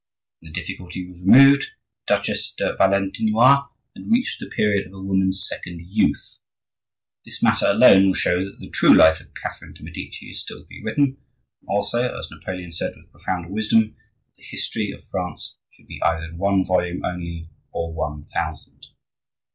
When the difficulty was removed the Duchesse de Valentinois had reached the period of a woman's second youth. This matter alone will show that the true life of Catherine de' Medici is still to be written, and also—as Napoleon said with profound wisdom—that the history of France should be either in one volume only, or one thousand.